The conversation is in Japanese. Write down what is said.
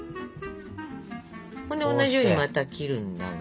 そんで同じようにまた切るんだが。